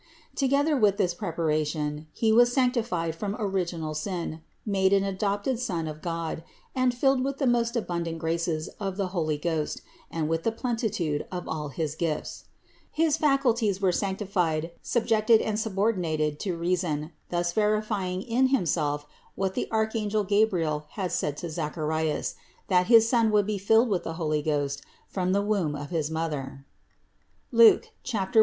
Together with this preparation he was sanctified from original sin, made an adopted son of God, and filled with the most abundant graces of the Holy Ghost and with the plenitude of all his gifts; his faculties were sanctified, subjected and sub ordinated to reason, thus verifying in himself what the archangel Gabriel had said to Zacharias; that His son would be filled with the Holy Ghost from the womb of his mother (Luke 1, 17).